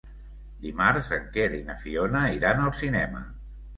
Dimarts en Quer i na Fiona iran al cinema.